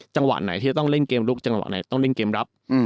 จังหวะไหนที่จะต้องเล่นเกมลุกจังหวะไหนต้องเล่นเกมรับ